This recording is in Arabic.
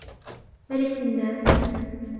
مَلِكِ النَّاسِ